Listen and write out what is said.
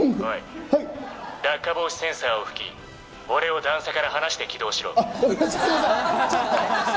落下防止センサーを拭き、これを段差から離して起動しろ」。